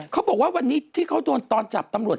เขาบอกว่าวันนี้ที่เขาโดนตอนจับตำรวจ